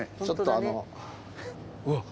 ちょっとあの。